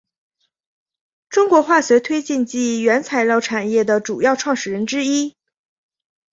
中国化学推进剂原材料产业的主要创始人之一。